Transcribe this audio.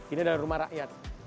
ini adalah rumah rakyat